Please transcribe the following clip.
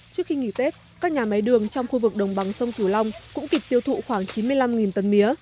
trước khi nghỉ tết các nhà máy đường trong khu vực đồng bằng sông cửu long cũng kịch tiêu thụ khoảng chín mươi năm tấn mía